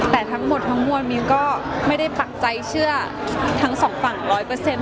แต่ทั้งหมดทั้งมวลมิวก็ไม่ได้ปักใจเชื่อทั้งสองฝั่งร้อยเปอร์เซ็นต